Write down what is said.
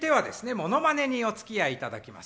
ものまねにおつきあいいただきます。